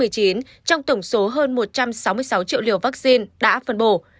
trong tổng số hơn một trăm sáu mươi sáu triệu liều vaccine đã phân bổ